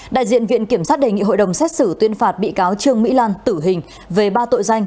đại diện viện kiểm sát đề nghị hội đồng xét xử tuyên phạt bị cáo trương mỹ lan tử hình về ba tội danh